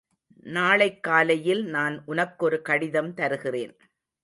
நாளைக் காலையில் நான் உனக்கொரு கடிதம் தருகிறேன்.